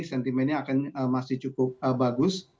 sentimennya akan masih cukup bagus